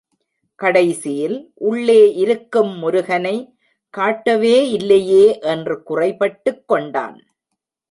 கடைசியில் உள்ளே இருக்கும் முருகனை காட்டவே இல்லையே என்று குறைபட்டுக் கொண்டான்.